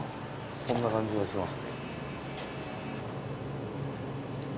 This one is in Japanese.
そんな感じがしますね。